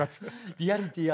リアリティーある。